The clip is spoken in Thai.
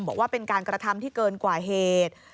บอกว่าเป็นการกระทำที่เกินกว่าเหตุ